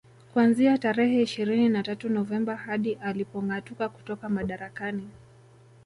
Kuanzia tarehe ishirini na tatu Novemba hadi alipongâatuka kutoka madarakani